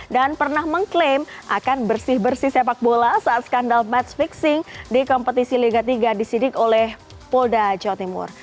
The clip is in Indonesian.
dan pernah mengklaim akan bersih bersih sepak bola saat skandal match fixing di kompetisi liga tiga disidik oleh polda jawa timur